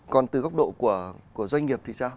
còn từ góc độ của doanh nghiệp thì sao